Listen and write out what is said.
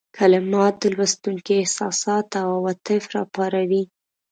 کلمات د لوستونکي احساسات او عواطف را وپاروي.